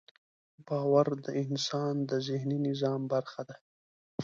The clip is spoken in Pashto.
باور د انسان د ذهني نظام برخه ده.